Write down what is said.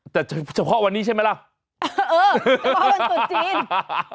แต่เฉพาะวันนี้ใช่ไหมล่ะเออวันตรุษจีน